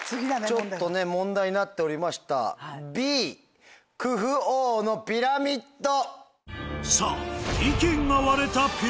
ちょっとね問題になっておりましたＢクフ王のピラミッド。